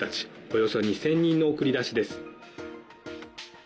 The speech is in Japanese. およそ２０００人の送り出しです。